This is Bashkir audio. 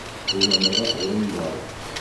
Уйланырға урын бар.